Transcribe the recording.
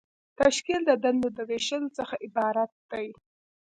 تشکیل د دندو د ویشلو څخه عبارت دی.